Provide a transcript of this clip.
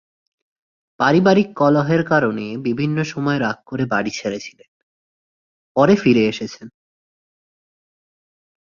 পারিবারিক কলহের কারণে বিভিন্ন সময়ে রাগ করে বাড়ি ছেড়েছিলেন, পরে ফিরে এসেছেন।